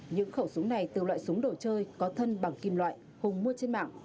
những khẩu súng này từ loại súng đồ chơi có thân bằng kim loại hùng mua trên mạng